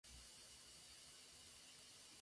Nace en Ferrol en una familia de clase media.